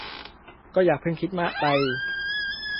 ก็อย่าเพิ่งคิดมากไป